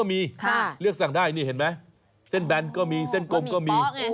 ก็มีค่ะเลือกสั่งได้นี่เห็นไหมเส้นแบนก็มีเส้นกลมก็มีบะหมี่ป๊อกไง